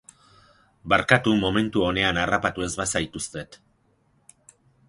Barkatu momentu onean harrapatu ez bazaituztet.